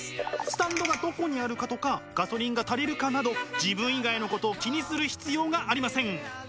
スタンドがどこにあるかとかガソリンが足りるかなど自分以外のことを気にする必要がありません。